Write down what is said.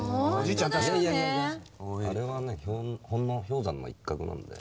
あれはねほんの氷山の一角なんだよ。